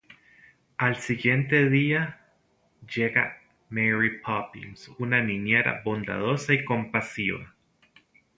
Al día siguiente, llega Mary Poppins, una niñera, bondadosa y compasiva.